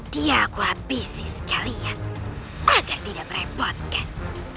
dia aku habisi sekalian agar tidak merepotkan